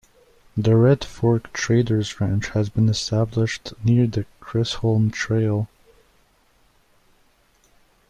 The Red Fork Traders' Ranch had been established near the Chisholm Trail.